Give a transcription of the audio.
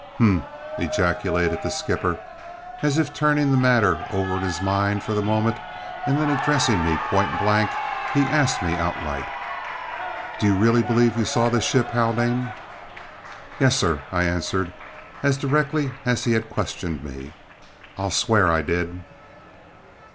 "Humph!" ejaculated the skipper, as if turning the matter over in his mind for the moment; and then addressing me point blank he asked me outright, "Do you really believe you saw this ship, Haldane?" "Yes, sir," I answered as directly as he had questioned me; "I'll swear I did."